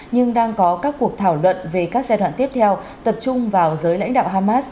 nhưng đang có các cuộc thảo luận về các giai đoạn tiếp theo tập trung vào giới lãnh đạo hamas